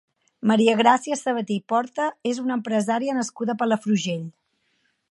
Maria Gràcia Sabater i Porta és una empresària nascuda a Palafrugell.